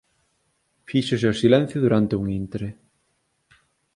Fíxose o silencio durante un intre.